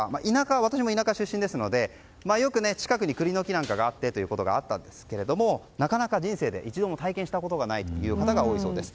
私も田舎出身なのでよく近くに栗の木なんかがあってということがあったんですがなかなか人生で一度も体験したことがないという方が多いそうです。